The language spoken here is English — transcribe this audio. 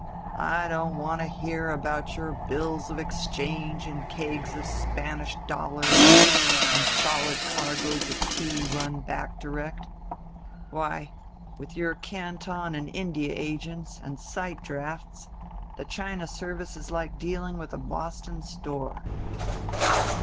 I don't want to hear about your bills of exchange and kegs of Spanish dollars and solid cargoes of tea run back direct. Why, with your Canton and India agents and sight drafts the China service is like dealing with a Boston store."